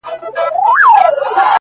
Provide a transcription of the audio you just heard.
وهر يو رگ ته يې د ميني کليمه وښايه;